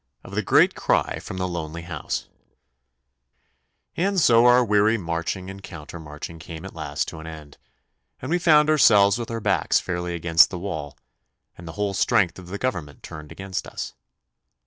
Of the Great Cry from the Lonely House And so our weary marching and counter marching came at last to an end, and we found ourselves with our backs fairly against the wall, and the whole strength of the Government turned against us.